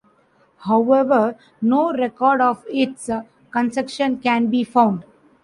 However, no record of its construction can be found.